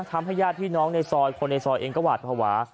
ญาติพี่น้องในซอยคนในซอยเองก็หวาดภาวะ